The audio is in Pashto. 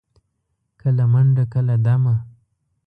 کله منډه، کله دمه.